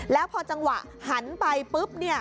แล้วพอจังหวะหันไปปุ๊บ